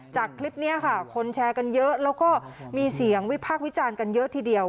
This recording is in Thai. จากคลิปนี้ค่ะคนแชร์กันเยอะแล้วก็มีเสียงวิพากษ์วิจารณ์กันเยอะทีเดียว